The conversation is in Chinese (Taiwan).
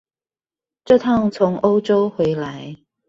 這趟從歐洲回來